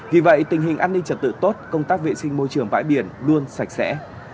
vì vậy tình hình an ninh trật tự tốt công tác vệ sinh môi trường bãi biển luôn sạch sẽ